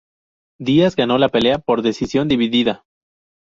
Diaz ganó la pelea por decisión dividida.